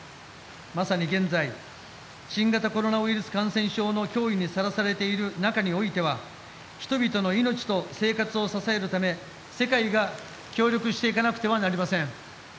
まさに現在新型コロナウイルス感染症の脅威にさらされている中においては人々の命と生活を支えるため世界が協力していかなくてはなりません。